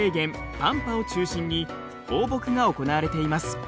パンパを中心に放牧が行われています。